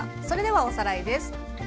それではおさらいです。